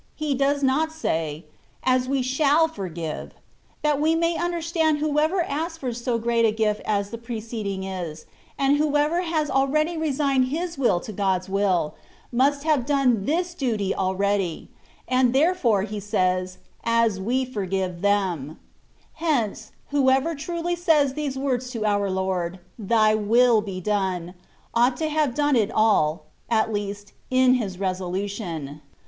He does not say, " As we shall {or give,^' that we may understand whoever asks for so great a gift as the preceding* is, and whoever has abready resigned his will to God's will, must have done this duty already; and, therefore. He says, "As we forgive them/' Hence, whoever truly says these words to our Lord, " Thy will be done," ought to have done it all, at least, in his resolution.